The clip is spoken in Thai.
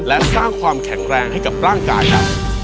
และสร้างความแข็งแรงให้กับร่างกายครับ